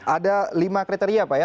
ada lima kriteria pak ya